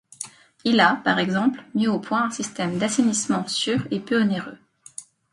Il a par exemple mis au point un système d’assainissement sûr et peu onéreux.